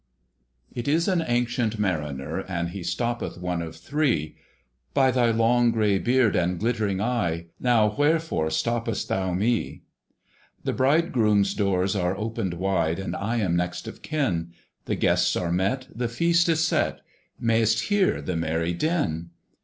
It is an ancient Mariner, And he stoppeth one of three. "By thy long grey beard and glittering eye, Now wherefore stopp'st thou me? "The Bridegroom's doors are opened wide, And I am next of kin; The guests are met, the feast is set: May'st hear the merry din."